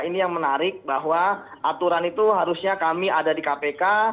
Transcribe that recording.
ini yang menarik bahwa aturan itu harusnya kami ada di kpk